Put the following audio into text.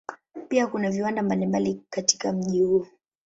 Pia kuna viwanda mbalimbali katika mji huo.